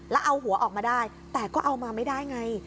แล้วเอาหัวออกมาได้แต่ก็เอามาไม่ได้ไง